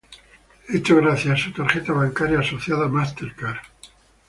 Esto gracias a su tarjeta bancaria asociada Mastercard.